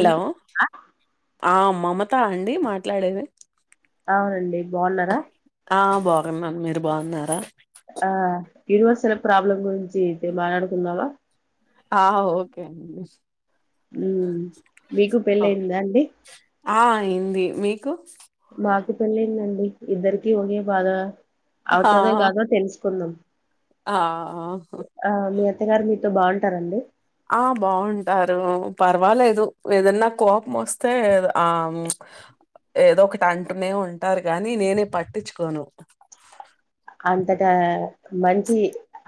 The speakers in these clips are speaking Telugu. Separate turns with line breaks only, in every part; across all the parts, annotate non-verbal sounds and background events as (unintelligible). ఎంట
ఆ మమత అండి మాట్లాడేది
అవునండి బాగున్నారా
బాగున్నా మీరు బాగున్నారా
ఆ యూనివర్సల ప్రాబ్లం గురించి అయితే మాట్లాడుకుందావా
ఆ ఓకే అండి
ఉ మీకు పెళ్ళ
ఆ ఆ!
అయిందా అండి
అయింది మీకు
కు పెళ్ళిందండి ఇద్దరికి ఒకే బాధ
ఆ
అవుతందా కాదో తెలుసుకుందాం
ఆ
అ్య గారు మీతో బాగుంటారండి
ఆ బాగుంటారు పర్వాలేదు ఏదన్నా కోపం వస్తే ఆ ఏదో ఒకటి అంటునే ఉంటారు కాగాని నేనే పట్టించుకోను
అంతట మంచి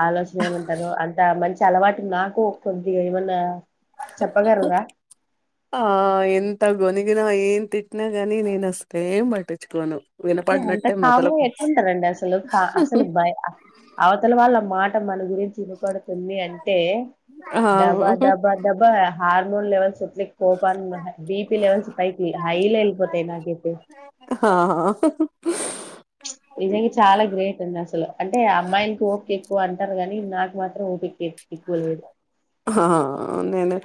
ఆలోచన ఏమంటారు అంత మంచి చ అలవాటు నాకు కొద్దిగా ఏమన్నా చెప్పగలరా
ఆ ఎంత గోని ఇ న ఏం తిట్నా గానీ నేను అస్తేం పట్టించుకోను
అంత
వినపడినట్టే
కామ
మెదలకు
ఎట్లుంటారంండి అసలు కా అసలు అవతల వాళ్ళ మాట మన గురించి వి పడుతుంది అంటే
ఆ
దబా దబా దబా హార్మోన్ లవెల్స్ ఉట్లే కోపాన్ బిపిి లవెల్స్ పై హైల వెల్పోతేాయి నాగైతే
హాా
ప్చ్ నిజం గా చాలా గ్రేట్ అండి అసలు అంటే అబ్బాయికి ఓపికేక్కువ అంట ంటారు కాని నాకు మాత్రం ఊప ఎక్కువలేదు
నేను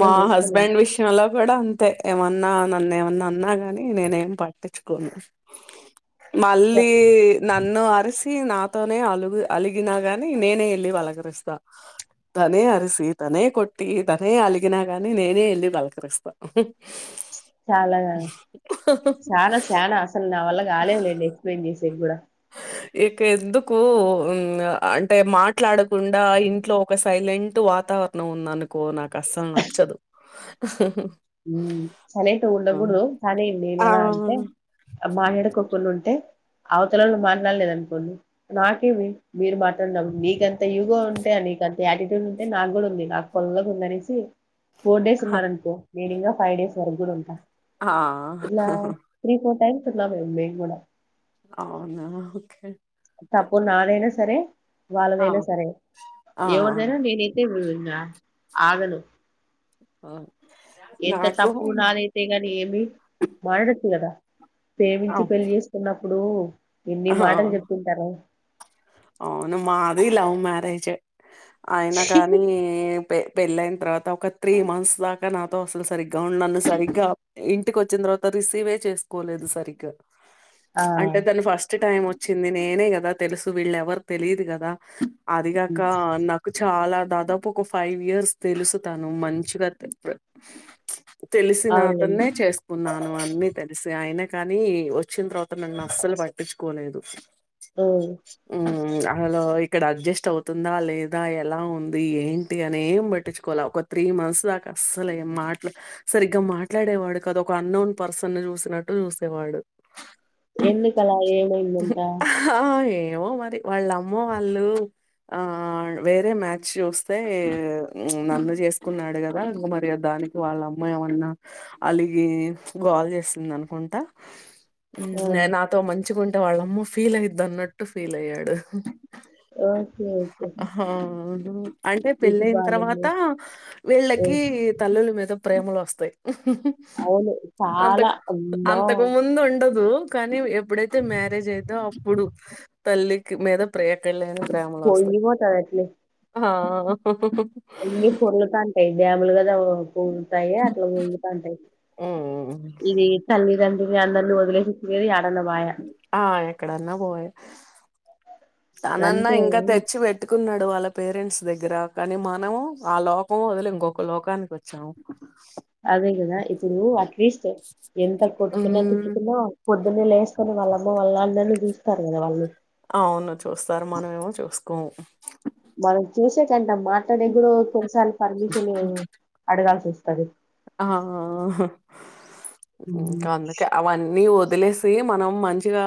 మా
చేసుకోలేను
హస్బెండ్ విషయంలో కూడా అంతే ఏమన్నా నన్ను ఏమ నన్న అన్నా గాని నేనేం పాట్టించుకోను
చ-
మళ్ళీ నన్ను అరసి నాతోనే అలుగు అలిగినా గాని నేనే వెళ్లిి వలకరిస్తా తనే అరిసి తనే కొట్టి తననే అలిగినగాని నేనే ఇల్ళ బలకరిస్తా
చాలా చాలా చాలా అసలు నా వల్ల కాలేదు లేడి ఎక్స్ప్లెయిన్ చేసి కూడా
ఇక ఎందుకు అంటే మాట్లాడకుండా ఇంట్లో ఒక సైలెంట్ వాతావరణం ఉందనుకో నాకు అస్సలు నచ్చదు
చలట
ఆ!
ఉండకూడ తదేం నేను
ఆ!
ఎలా అంటే మా ఎడకు కొన్ని ఉంటే అవతలంలో మాట్లాడలేద అనుకోండి నాకేమి మీరు మాట్లాడున మీకెంత యుగొ ఉంటే అని మీకంత యాటిట్యూడ్ ఉంటే నాకు కూడా ఉంది నాకు పుల్లగుంది అనేసి ఫోర్ డేస్
హా!
ఉన్నారనుకో నేను ఇంకా ఫైవ్ డేస్ వరకు కూడా ఉంట
ఆ!
ఇలా త్రీ ఫోర్ టైమ్స్ వున్నామే మేం కూడా
అవునా ఓకే
తప్పు నాదైనా సరే
ఆ!
వాళ్ళదైనా సరే
ఆ!
ఎవరిదైనా నేనైతే వినను ఇంగ ఆగను
అ ఆ
ఎంత
నాకు
తప్పు నాదయ్తే గాని ఏమి మాటడచ్చు కదా
ఆ!
ప్రేమించి పెళ్లి చేసుకున్నప్పుడు ఎన్ని
ఆ!
మాటలు చెపింటారు
అవును మాది లవ్ మ్యారేజు అయినా కానీ పే పెళ్ళయిన తర్వాత ఒక త్రీ మంత్స్ దాకా నాతో అసలు సరిగ్గా ఉండను సరిగ్గా ఇంటికి వచ్చిన తర్త తర్వాత రిసీవే చేసుకోలేదు సరిగ్గా
ఆ
అంటే తను ఫస్ట్ టైం వచ్చింది నేనే కదా తెలుసు వీళ్ళ ఎవరు తెలిదు కదా అదిగాక నాకు చాలా దాదాపు పొ ఒక ఫైవ్ ఇయర్స్ తెలుసుతను మంచిగ తిపెద్ తెలిసిన
అవునండి
అతనేే చేసుకున్నాను అన్ని తెలిసి ఆయన కాని వచ్చిన తర్వాత తను నన్ అస్సలు పట్టిచుకోలేదు
ఓ
ఊ అసలు ఈ ఇక్కడ అడ్జస్ట్ అవుతుందా లేదా ఎలా ఉంది ఏంటి అని ఏం పట్టించుకోల ఒక త్రీ మంత్స్ దాకా అస్సలేం మాట్లా సరిగ్గా మాట్లాడేవాడు కదా ఒక అన్నోన్ పర్సన్ చూసినట్టు చూసేవాడు
ఎందుకల ఏం
ఆహ్ అ ఏమో మరి వాళ్ళమ్మ వాళ్ళు ఆ వేరే మ్యాచ్ చూస్తే నను చేసుకున్నాడు కదా మరియాద దానికి వాళ్ళ అమ్మా ఏమన్నా అలిగి గోల్ చేసింది అనుకుంటా ఊ
ఆ
నే నాతో మంచిగుంటే వాళ్ళమ్మ ఫీల్ అయిది అన్నట్టు ఫీల్ అయ్యాడు
ఓకె ఓకె
ఊ అంటే పెళ్ళయిన తర్వాత
ఆ
వీళ్ళకి తల్లుల మీద ప్రేమలు వస్తాయి
అవును చాలా
అంతకు
అమ్మో
అంతకు ముందు ఉండదు కానీ ఎప్పుడైతే మ్యారేజ్ అయిందో అప్పుడు తల్లికి మీద ప్రేకలెద్ ప్రేమలోస్థాయ్
పొంగిపోతది అట్లే
ఆ (unintelligible)
అన్ని పొర్లుతాంటయ్ డ్యాములు కదా ఒ పూలుతాయి అట్లా పొంగుతంటయ్
ఉమ్
ఇది తల్లీదండ్రుల్ని అందరిని వదిలేసి కని ఇగ
ఆ ఎక్కడన్నా పోయే తనన్నా
అంతే
ఇంకా తెచ్చి పెట్టుకున్నడు వాళ్ళ పేరెంట్స్ దగ్గర కాని మనం ఆ లోకం వదిలి ఇంకొక లోకానికి వచ్చాము
అదే కదా ఇప్పుడు అట్లీస్ట్ ఎంత కొట్టుకున్నా
ఉమ్
తిట్టుకున్నా పొద్దున్నే లేస్తారు వాళ్ళమ్మ వాళ్ళు అన్నని చూస్తారు కదా వాళ్ళు
అవును చూస్తారు మనమేమో చూసుకోము
మనం చూసే కంట మాటడగుడో కొన్నిసార్ పర్మిషన్ అడగాల్సి వస్తది
ఆ ఆ ఆహ్
హ్మ్.
ఇంకా అందుకే అవన్నీ ఒద్ దిలేసి మనం మంచిగా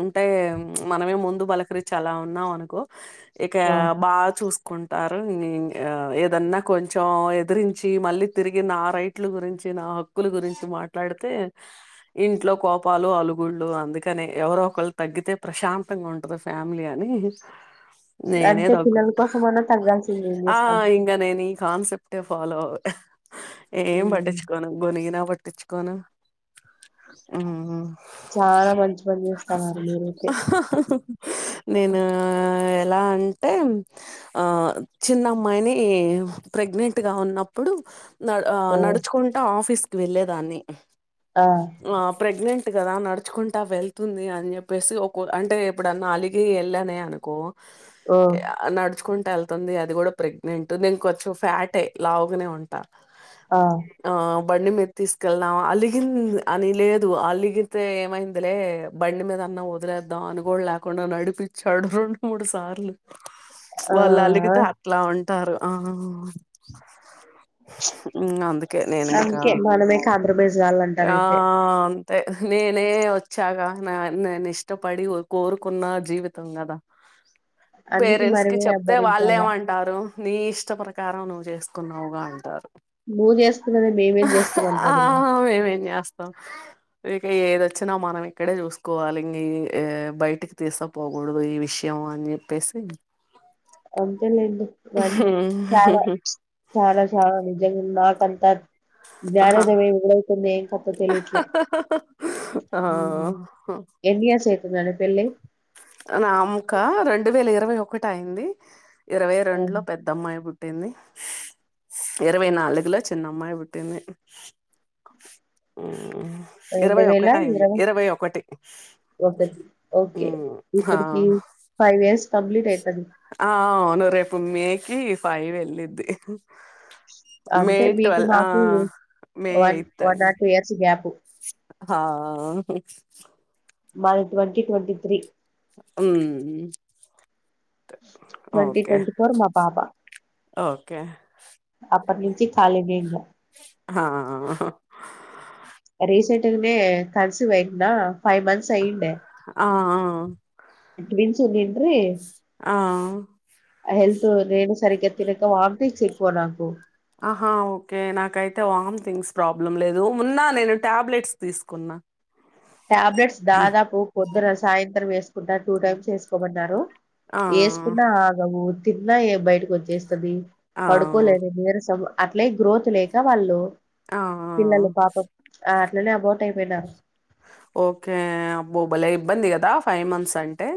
ఉంటే ప్చ్ మనమే ముందు బలకరించి అలా ఉన్నాం అనుకో ఇక
ఆ!
బాగా చూస్ కుంటారు ఇది ఏదన్నా కొంచెం ఎదిరించి మళ్ళీ తిరిగినా పైట్లు గురించి నా హక్కుల గురించి మాట్లాడితే ఇంట్లో కోపాలు అలుగుళ్ళు అం అందుకని ఎవరో ఒకళ్ళు తగ్గితే ప్రశాంతంగా ఉంటది ఫ్యామిలీ అని
అంతే
నేనేదగుత
పిల్లల కోసమన్నా తగ్గాల్సింది ఏం
ఆ
జేస్తాం.
ఇంగా నేని కాన్సెప్టే ఫాలో ఏం
హ్మ్.
పట్టించుకోను గునిగిన పట్ టిచ్చుకోను ఉమ్ ఉమ్
చాలా మంచి పని జేస్తన్నారు మీరైతే.
నేను ఎ లా అంటే అ చిన్నమ్మాయిని ప్రెగ్నెంట్గా ఉన్నప్పుడు
ఆ!
నడుచుకుంట ఆఫీస్ కి వెళ్లేదాన్ని
ఆ!
ఆ ప్రెగ్నన్ ట్ కదా నడుచుకుంటా వెళ్తుంది అని చెప్పేసి ఒక అంటే ఎప్పుడన్నా అలిగి ఎళ్ళానే అనుకో
ఓ!
య నడ్చుకుం ఎళ్తుంది అది కూడా ప్రెగ్నెంట్ నేను కొంచెం ఫ్యాటే లావుగానే ఉంటా
ఆ
ఆ బండి మీద తీసుకెళ్ళాం అలిగిం అని లేదు అలిగితే ఏమైందిలే బండి మీద అన్నా వదిలేద్దాం అని కూడా లేకుండా నడిపించాడు రెండు మూడు సార్లు
ఆ! ఆ!
వాళ్ళు అలిగితే అట్లా ఉంటారు ఆ ఇంగ అందుకే నేను ఇంకా
అందుకే మనమే కాంప్రమైజ్
ఆ
గావాలంటారైతే.
నేనే వచ్చాగా నా నేను ఇష్టపడి కోరుకున్న జీవితం కదా
అందుకే
పేరెంట్స్ కి
మనమే
చెప్తే
భరించాలా.
వాళ్ళేమంటారు నీ ఇష్ట ప్రకారం నువ్వు చేసుకున్నావు్గా అంటారు
నువ్వు చేస్తున్నది మేమేం
ఆ
చేస్తామంటారెమ్మో
మేమేం చేస్తాం ఇక ఏదొచ్చినా మనం ఇక్కడే చూసుకోవాలి ఇంగీ బయటికి తీస పోకూడదు ఈ విషయం మాన్ చెప్పేసి
అంతేలేండి మ చాలా చాలా చాలా నిజంగా నాకు పంతగ్
ఆహా.
జారదమే ఇవలైతుందేంకత్ తెలియట్లే ఉమ్
ఆ
ఎన్ని ఇయర్స్ అయితుందండి పెళ్ళై
నా ముఖ రెండు వేల ఇరవై ఒకటి అయింది ఇరవై రెండు లో పెద్దమ్మాయి పు ట్టింది ఇరవై నాలుగులో చిన్నమ్మాయి పుట్టింది ఉమ్ ఉ
రెండు
ఇరవై
వేల
ఒకటి అయింది ఇరవై ఒకటి
ఒకటి
ఉ
ఓకే
హా
ఇప్పటికి ఫైవ్ ఇయర్స్ కంప్లీట్ అయితది
ఆ అవును రేపు మేకి ఫైవ్ వెళ్ళద్ది మే
అంటే మీకు
ట్వల్ ఆ
మాకు
మే
వన్
ఎయిత్
వన్
అయింది
ఆర్ టూ ఇయర్స్ గ్యాప్
హ
మాది twenty twenty three
um
twenty
okay
twenty four మా పాప
ఓకే
అప్పటి నుంచి ఖాళీ గేంగా
హా
రీసెంట్గనే కన్సివ్ అయ్యిందా ఫైవ్ మంత్స్ అయిండె
ఆ
ట్విన్స్ ఉండుండ్రి
ఆ
ఆ హెల్త్ నేను సరిగ్గా తినక వాంథింగ్స్ ఎక్కువ నాకు
ఆహా ఓకే నాకైతే వామ్ థింగ్స్ ప్రాబ్లం లేదు ఉన్న నేను టాబ్లెట్స్ తీసుకు న్నా
టాబ్లెట్స్ దాదాపు పొద్దున సాయంత్రం ఎస్ కున్న టూ
హ్మ్.
టైమ్స్ వేసుకోమన్నారు
ఆ!
ఎసుకున్నా ఆగవు తిన్నా బయటకు వచ్చేస్ టది
ఆ!
పడుకోలేదు నీరసం అట్లే గ్రోత్ లేక వాళ్ళు
ఆ! ఆ! ఆ!
పిల్లలు పాపం ఆ అట్లనే అబోటు అయిపోయినారు
ఓకే అబ్బో బలే ఇబ్బంది కదా ఫైవ్ మంత్స్ అంటే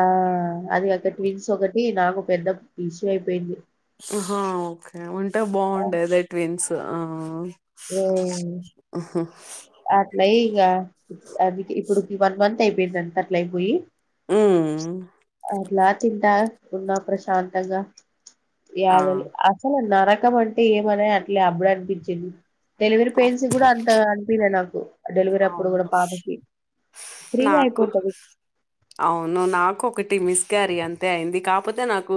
ఆ అది అక్క ట్విన్స్ ఒకటి నాకు పెద్ద ఇష్యూ అయిపోయింది
ఆహా ఓకే, ఉంటే బావుండేదే ట్విన్స్
ఉమ్
హుహు.
అట్లయి యా ప్ అదికి ఇప్పుడుకి వన్ మంత్ అయిపోయిందండట్ల అయిపోయి
ఉమ్
తింట ఉన్నా ప్రశాంతంగా
ఆ!
యాడ అసలు నర రకం అంటే ఏమోలే అట్లే అప్పుడనిపించింది. డెలివరీ
అ
పెయిన్స్ గూడా అంత అనిపీలే నాకు డెలివరీ అప్పుడు గూడా
అవును.
పాపకి ఫ్రీగా
నాకు
అయిపోతది
అవును నాకు ఒక టి మిస్ క్యారీ అంతే అయింది, కాపోతే నాకు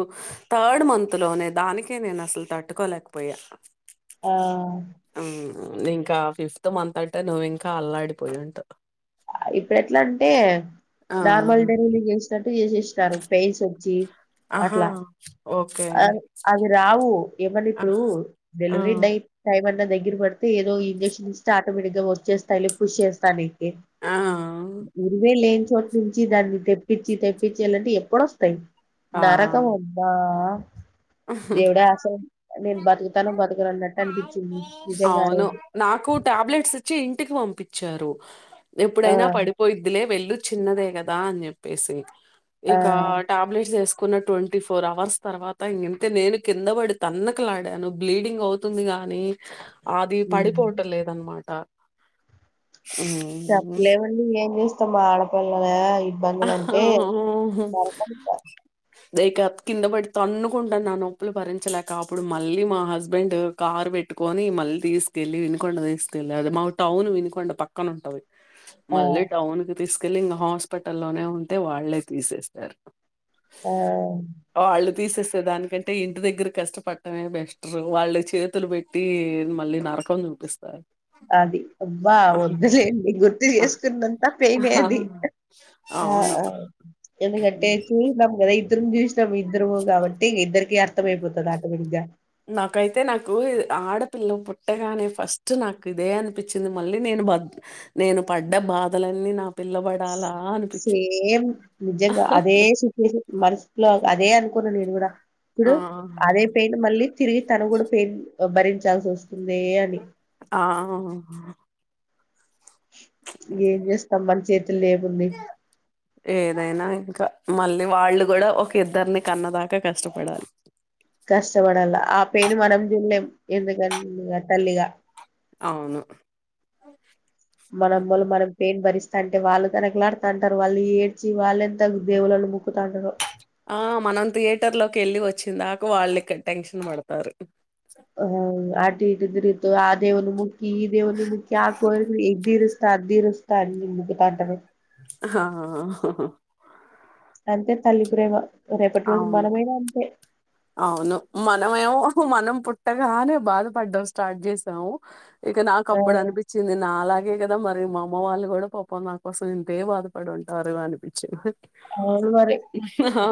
థాడ్ మంత్ లోనే దానికే నేనసల్ తట్టుకోల్ లేక్పోయా
ఆ
ఇంకా ఫిఫ్త్ మంత్ అంటే నువ్వు ఇంకా అల్లాడిపోయుంటవు
ఇప్పుడెట్లమ్టే
ఆ!
నార్మల్ డెలివలీ జేసి తట్టు చేసేసినారు పెయిన్స్ ఒచ్చి
ఆహా!
అట్లా
ఓకే.
అవ్ అవి రావు ఏమన్నా ఇప్పుడు
ఆహ్! ఆ!
డెలివరీ డైట్ టైం అన్నా దగ్గర బడితే ఏదో ఇంజెక్షనిస్తే ఆటోమేటిక్ గా వచ్చేస్తాయిలె పుష్ చేస్తానికి
ఆ!
ఇరివేలేని చోటు నుంచి దాన్ని తెప్పిచి తెప్పిచేయాలంటే ఎక్కడోస్తయి
ఆ!
నరకమబ్బా దేవుడా అసలు నేను బతుకుతానో బతకనో అన్నట్టు అనిపించింది నిజంగానరోజు
కు టాబ్లెట్స్ ఇచ్చి ఇంటికిపంపిచ్చారు
ఆ
ఎప్పుడైనా పడిపోయిద్ధిలే వెళ్ళు చిన్నదే గదాన్ జెప్పేసి
ఆ
ఇకా టాబ్లెట్సెస్ కున్న ట్వంటీ ఫోర్ అవర్స్ తర్వాత్ త ఇంగింతే నేను కింద పడి తన్నకలాడాను బ్లీడింగ్ అవుతుంది గాని అది
హ్మ్
పడిపోవటం లేదనమాట హ్మ్.
చెప్పలేమండి ఏం జేస్తాం ఆడపిల్లదే ఇబ్బందులంటే నరకమింక
దే కప్ కింద పడి తన్నుకుంటన్న నొప్పులు భరించలేక అప్పుడు మళ్ళీ మా హస్బెండ్ కారు పెట్ కొని మళ్ళీ తీసుకెళ్ళలి వినుకొండ తీసుకెల్లి అది మా టౌన్ వినుకొండ పక్కన ఉంటది
ఆ
మళ్ళీ టౌన్ కి తీసుకెల్లి ఇంకా హాస్పిటల్లోనే ఉంటే వాళ్ళే తీసేసారు.
ఆ
తీసేస దానికంటే ఇంటి దగ్గర కష్టపడ్డమే బెస్టరో వాళ్ళు చేతులు పెట్టి మళ్ళీ నాక్ రకం చూపిస్తారు
అది అబ్బా
ఆహా.
వద్దులేండి గుర్తు చేసుకున్నంతా పెయినే
ఆహా.
అది ఆ
అవును
ఎందుకంటే చూస్నం గదా ఇద్దరం చూసినాం ఇద్దరుము కాబట్టి ఇద్దరికి అర్థమయిపోతది ఆటోమేటిక్ గా
నాకైతే నాకూ ఆడపిల్ల పుట్టగానే ఫస్ట్ నాకు ఇదే అనిపించింది మళ్ళీ నేను బడ్ నేను పడ్డ బాధలన్నీ నా పిల్లబడాల
సేమ్ నిజంగా అదే సిచ్యుయేషన్ మనసులో అదే అనుకున్నా నేను గూడ
ఆ!
ఇప్పుడు అదే పెయిన్ మళ్ళీ తిరిగి తను గూడ పెయిన్ భరించాల్సోస్తుందే అని
ఆ ఆ ఆ
ఏం చేస్తాం మన చేతులు ఏముంది
ఏదైనా ఇంకా మళ్ళీ వాళ్ళు గూడ ఒక ఇద్దరిని కన్నదాకా కష్టపడాలి
కష్టపడాల్ల ఆ పెయిన్ మనం తిన్లేం ఎందుకన్ ఇగ తల్లిగా
అవును
మనం మల్ల మనం పెయిన్ భరిస్ స్థాంటే వాళ్ళు తనకులాడుతాంటరు వాళ్ళు ఏడ్చి వాల్లెంత దేవులను మొక్కుతాంటరో
ఆ మనం థియేటర్ లోకెళ్ళి వచ్చిన్దాకా వాల్లిక్కడ టెన్షన్ పడతారు
ఆ అటిట్ ద్రి ఇ ఆ దేవను ముఖి ఈ దేవను ముఖి ఆకు ఎగదిరుస్తా అది ఇరుస్తా అ ని అంటారు
ఆ
అంతే తల్లి ప్రేమ రేపటి రోజు
అవును
మనమైనా అంతే
అవును మనమేమో మనం పుట్టగానే బాధపడ్డం స్టార్ట్ చేసాము ఇక నాకు
ఆ
అప్పుడు అనిపించింది నా అలాగే ఇ కదా మరి మా అమ్మ వాళ్ళు కూడా పాపం నా కోసం ఇంతే బాధపడి ఉంటారు అనిపించి
అవును మరి
హా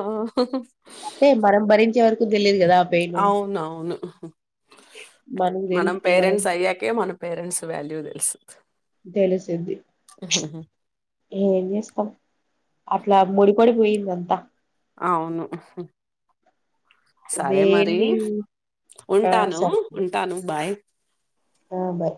అంటే మనం భరించే వరకు తెలియదు కదా ఆ పెయిన్
అవును అవును
మనకు తెలి
మనం పేరెంట్స్ అయ్యాకే మన పేరెంట్స్ వాల్యూ తెలుస్తు
తెలిసిద్ది ఏం చేస్తాం అట్లా ముడిపడి పోయింది అంతా
అవును ఉహూ సరే మరి
దేన్ని ఆ
ఉంటాను
సరే
ఉంటాను బాయ్
ఆ బాయ్